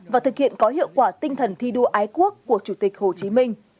và thực hiện có hiệu quả tinh thần thi đua ái quốc của chủ tịch hồ chí minh